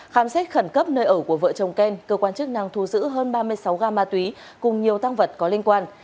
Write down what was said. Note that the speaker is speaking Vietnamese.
khám xét khẩn cấp nơi ở của vợ chồng ken cơ quan chức năng thu giữ hơn ba mươi sáu gam ma túy cùng nhiều tăng vật có liên quan